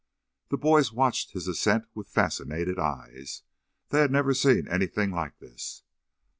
The boys watched his ascent with fascinated eyes. They had never seen anything like this.